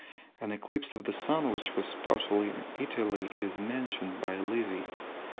an eclipse of the Sun, which was partial in Italy, is mentioned by Livy.